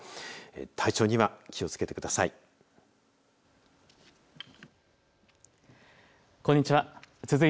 体調には気をつけてください。